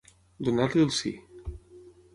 Donar-li el sí.